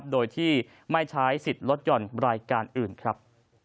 โดยที่ไม่ใช้สิทธิ์ลดหย่อนรายการอื่นครับ